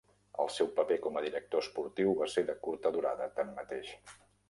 El seu paper com a director esportiu va ser de curta durada, tanmateix.